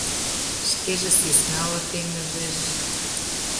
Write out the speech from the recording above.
Шкеже сӧснала пеҥыжеш.